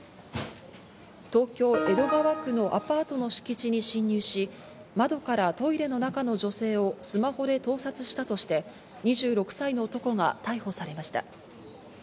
東京・江戸川区のアパートの敷地に侵入し、窓からトイレの中の女性をスマホで盗撮したとして、２６歳の男が逮捕されました。